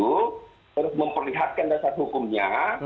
terus memperlihatkan dasar hukumnya